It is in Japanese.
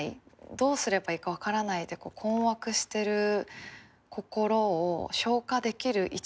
どうすればいいか分からないで困惑してる心を消化できる一番の方法だなって思いますね。